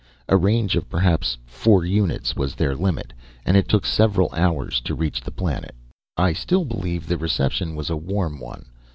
A range of perhaps four units was their limit, and it took several hours to reach the planet. I still believe the reception was a warm one.